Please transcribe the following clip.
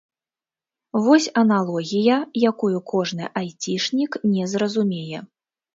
Вось аналогія, якую кожны айцішнік не зразумее.